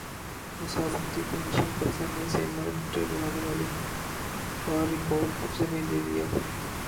مسابقتی کمیشن پاکستان نے سیمنٹ بنانے والوں کا ریکارڈ قبضے میں لے لیا